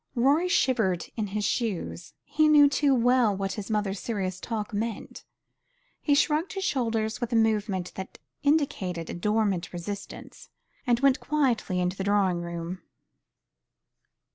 Rorie shivered in his shoes. He knew too well what his mother's serious talk meant. He shrugged his shoulders with a movement that indicated a dormant resistance, and went quietly into the drawing room.